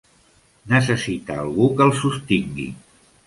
Necessita algú que el sostingui.